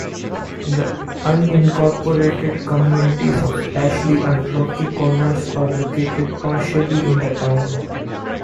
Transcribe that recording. The unincorporated communities of Ashley and Rocky Corners are located partially in the town.